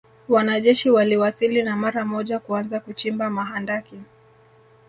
Wanajeshi waliwasili na mara moja kuanza kuchimba mahandaki